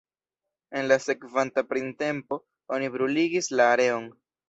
En la sekvanta printempo oni bruligis la areon.